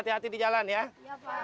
rangga huya udara pas motor